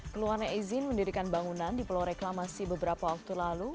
keluarnya izin mendirikan bangunan di pulau reklamasi beberapa waktu lalu